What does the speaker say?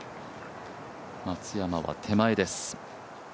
松山は手前です。